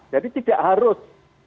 jadi tidak harus